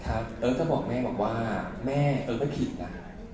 ครับเอิร์กก็บอกแม่ว่าแม่เอิร์กไม่ผิดอ่ะ